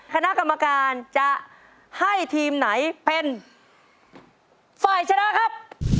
คณะกรรมการจะให้ทีมไหนเป็นฝ่ายชนะครับ